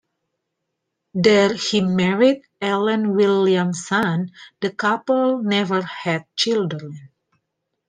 There he married Ellen Williamson; the couple never had children.